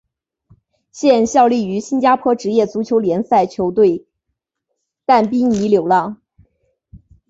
现效力于新加坡职业足球联赛球队淡滨尼流浪。